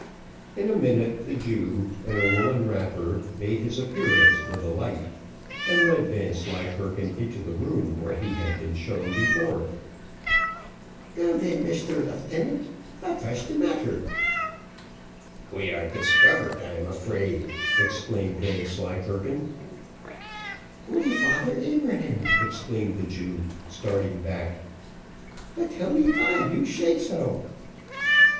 In a minute the Jew, in a woollen wrapper, made his appearance with a light, and led Vanslyperken into the room where he had been shown before. "Now then, Mishter Leeftenant, vat vash de matter?" "We are discovered, I'm afraid!" exclaimed Vanslyperken. "Holy father Abraham!" exclaimed the Jew, starting back. "But tell me vy you shay sho."